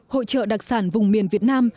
hội trợ đặc sản vùng miền việt nam